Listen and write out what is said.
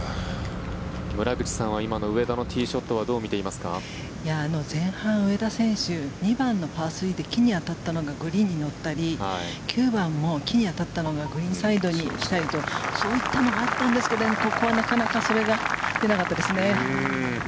村口さんは今の上田のティーショットは前半、上田選手２番のパー３で木に当たったのがグリーンに乗ったり９番も木に当たったのがグリーンサイドに来たりとそういったのがあったんですがここはなかなかそれが出なかったですね。